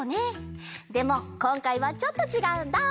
でもこんかいはちょっとちがうんだ！